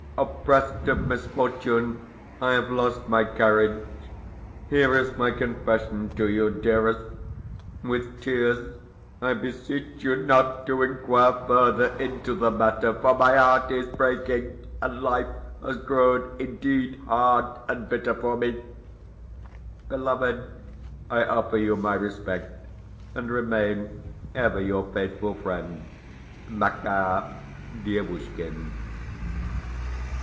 Oppressed of misfortune, I have lost my courage. Here is my confession to you, dearest. With tears I beseech you not to inquire further into the matter, for my heart is breaking, and life has grown indeed hard and bitter for me Beloved, I offer you my respect, and remain ever your faithful friend, MAKAR DIEVUSHKIN.